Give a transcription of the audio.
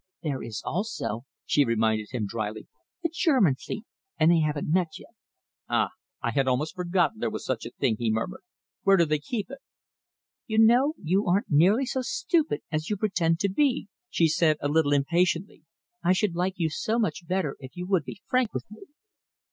"There is also," she reminded him drily, "a German fleet, and they haven't met yet." "Ah! I had almost forgotten there was such a thing," he murmured. "Where do they keep it?" "You know. You aren't nearly so stupid as you pretend to be," she said, a little impatiently. "I should like you so much better if you would be frank with me."